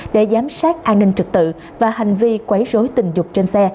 để giám sát an ninh trực tự và hành vi quấy rối tình dục trên xe